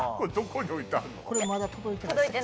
これまだ届いてないです